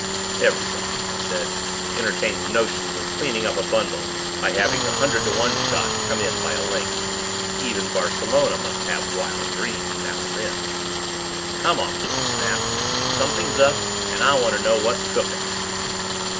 "Everybody," I said, "entertains notions of cleaning up a bundle by having the hundred to one shot come in by a length. Even Barcelona must have wild dreams now and then " "Come off it," he snapped. "Something's up and I want to know what's cooking."